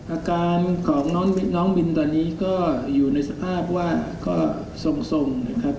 อาการของน้องบินตอนนี้ก็อยู่ในสภาพว่าก็ทรงนะครับ